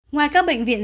ngoài các bệnh viện